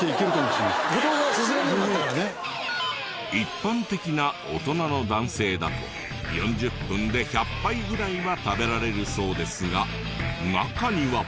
一般的な大人の男性だと４０分で１００杯ぐらいは食べられるそうですが中には。